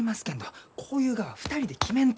こういうがは２人で決めんと！